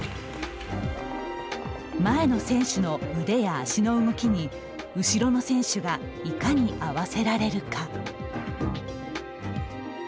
前の選手の腕や足の動きに後ろの選手がいかに合わせられるか。